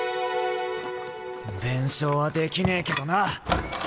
弁償はできねえけどな。